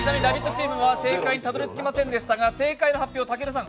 チームは正解にたどり着けませんでしたが、正解の発表、たけるさん